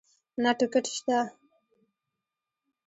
نه ټکټ شته